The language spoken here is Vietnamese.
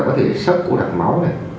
có thể sốc cô đạc máu này